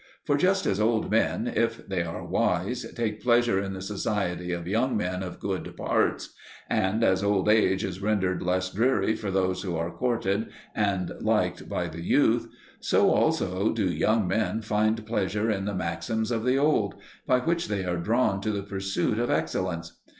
For just as old men, if they are wise, take pleasure in the society of young men of good parts, and as old age is rendered less dreary for those who are courted and liked by the youth, so also do young men find pleasure in the maxims of the old, by which they are drawn to the pursuit of excellence.